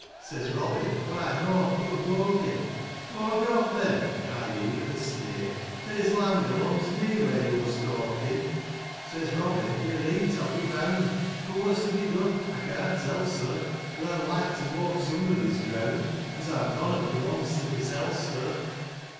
Says Robin, " Why, nought nobbut walkin' ;"Walk off, then !" cried he, with a sneer ; "This land belongs me, where you're stalking ! Says Robin, " Yo're reet, I'll be bound ; But, what's to be done, I can't tell, sir ; For, I'm like to walk somebody's ground, As I've noan 'at belungs to mysel', sir."